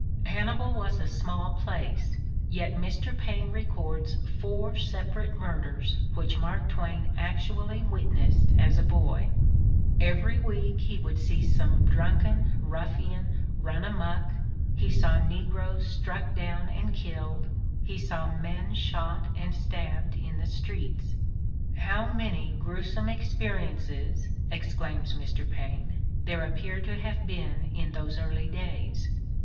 Hannibal was a small place ; yet Mr. Paine records four separate murders which Mark Twain actually witnessed as a boy : every week he would see some drunken ruiBan run amuck, he saw negroes struck down and killed, he saw men shot and stabbed in the streets. "How many gruesome experiences," exclaims Mr. Paine, "there appear to have been in those early days